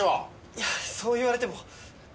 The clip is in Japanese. いやあそう言われても。